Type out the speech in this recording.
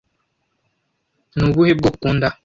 Ni ubuhe bwoko ukunda?